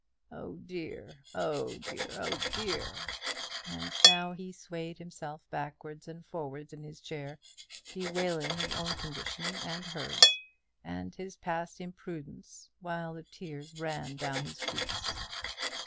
"Oh dear, oh dear, oh dear!" And now he swayed himself backwards and forwards in his chair, bewailing his own condition and hers, and his past imprudence, while the tears ran down his cheeks.